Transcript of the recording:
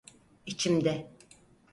İçimde.